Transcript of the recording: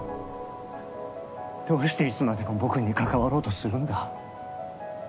どうしていつまでも僕に関わろうとするんだ。